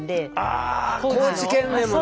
あ高知県でもね。